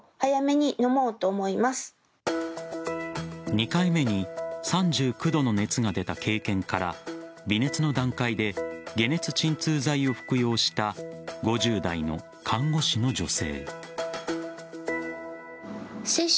２回目に３９度の熱が出た経験から微熱の段階で解熱鎮痛剤を服用した５０代の看護師の女性。